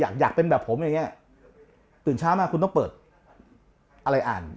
อยากอยากเป็นแบบผมอย่างเงี้ยตื่นเช้ามาคุณต้องเปิดอะไรอ่าน